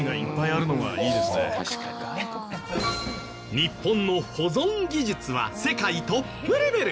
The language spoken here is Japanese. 日本の保存技術は世界トップレベル。